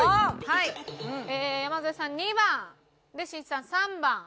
山添さん２番しんいちさん３番。